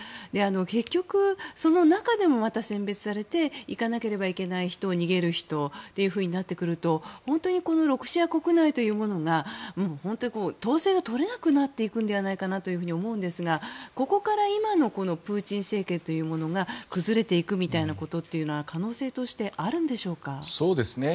結局、その中でもまた選別されて行かなければいけない人逃げる人となってくると本当にこのロシア国内が統制が取れなくなっていくのではないかなと思うんですが、ここから今のプーチン政権というものが崩れていくみたいなことは可能性としてあるんでしょうか。